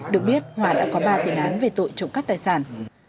được biết hòa đã có ba tiền án về tội trộm cắp tài sản